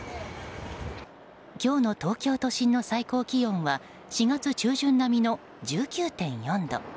今日の東京都心の最高気温は４月中旬並みの１９．４度。